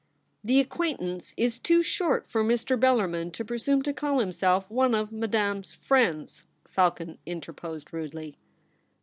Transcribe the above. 'The acquaintance is too short for Mr. Bellarmin to presume to call himself one of Madame's friends,' Falcon interposed rudely.